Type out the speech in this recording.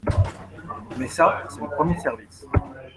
Mais ça, c'est le premier service.